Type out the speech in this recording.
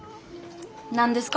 何ですか？